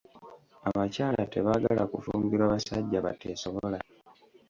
Abakyala tebaagala kufumbirwa basajja bateesobola .